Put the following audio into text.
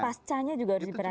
pasca nya juga harus diperhatikan